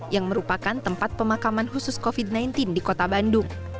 yang merupakan tempat pemakaman khusus covid sembilan belas di kota bandung